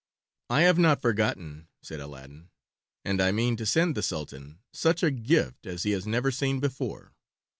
"I have not forgotten," said Aladdin, "and I mean to send the Sultan such a gift as he has never seen before."